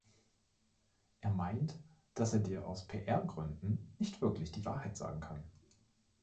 Er meint, dass er dir aus PR-Gründen nicht wirklich die Wahrheit sagen kann.